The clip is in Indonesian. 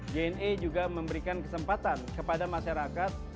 jna juga memberikan kesempatan kepada masyarakat